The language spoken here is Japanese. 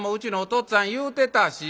っつぁん言うてたし。